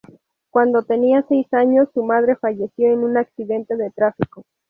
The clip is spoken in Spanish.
Cuando tenía seis años, su madre falleció en un accidente de tráfico.